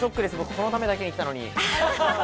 このためだけに来たのに。